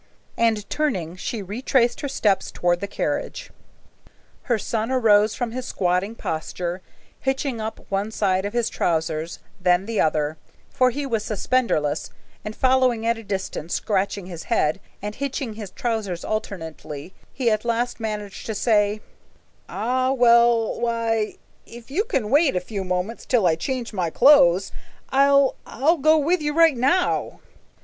and turning, she retraced her steps toward the carriage. Her son arose from his squatting posture, hitching up one side of his trousers, then the other, for he was suspenderless, and following at a distance, scratching his head and hitching his trousers alternately, he at last managed to say, "Ah, well why if you can wait a few moments till I change my clothes, I'll I'll go with you right now."